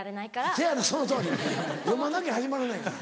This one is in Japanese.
せやねんそのとおり読まなきゃ始まらないから。